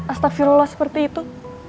astagfirullah seperti itu